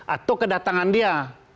atau kedatangan dia